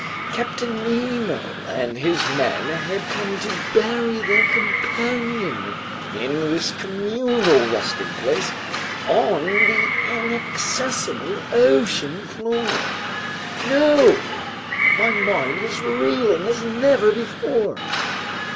Captain Nemo and his men had come to bury their companion in this communal resting place on the inaccessible ocean floor! No! My mind was reeling as never before!